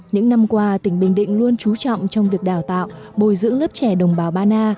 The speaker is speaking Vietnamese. những năm qua tỉnh bình định luôn trú trọng trong việc đào tạo bồi dưỡng lớp trẻ đồng bào ba na